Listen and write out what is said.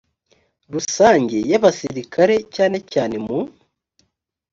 rusange y’abasirikare cyane cyane mu